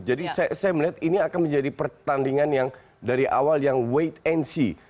jadi saya melihat ini akan menjadi pertandingan yang dari awal yang wait and see